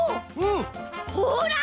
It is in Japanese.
ほら！